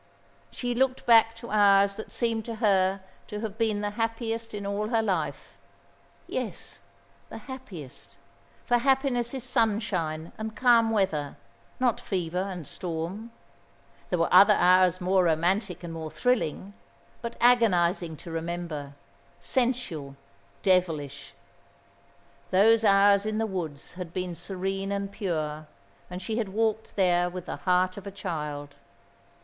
She looked back to hours that seemed to her to have been the happiest in all her life. Yes, the happiest; for happiness is sunshine and calm weather, not fever and storm. There were other hours more romantic and more thrilling, but agonising to remember sensual, devilish. Those hours in the woods had been serene and pure, and she had walked there with the heart of a child.